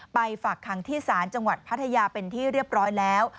ไปฝากคังที่ศาลจังหวัดพัทยาเป็นที่เรียบร้อยแล้ว